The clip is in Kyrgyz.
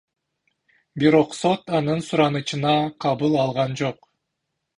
Бирок сот анын суранычына кабыл алган жок.